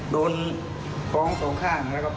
โดนพร้อมสองข้างแล้วก็